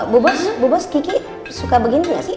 bu bos bu bos kiki suka begini nggak sih